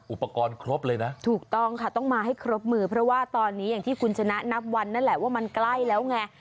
อุปกรณ์ครบเลยนะถูกต้องค่ะต้องมาให้ครบมือเพราะว่าตอนนี้อย่างที่คุณชนะนับวันนั่นแหละว่ามันใกล้แล้วไง